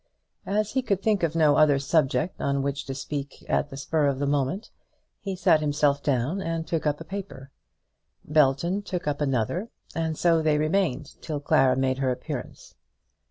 As he could think of no other subject on which to speak at the spur of the moment, he sat himself down and took up a paper; Belton took up another, and so they remained till Clara made her appearance.